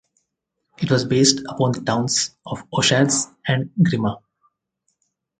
It was based upon the towns of Oschatz and Grimma.